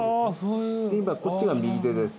今こっちが右手です。